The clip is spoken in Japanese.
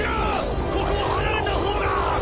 ここは離れた方が。